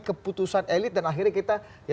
keputusan elit dan akhirnya kita